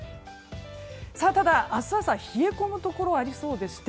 ただ、明日朝は冷え込むところがありそうでして